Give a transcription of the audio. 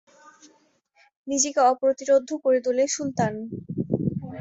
নিজেকে অপ্রতিরোধ্য করে তোলে সুলতান।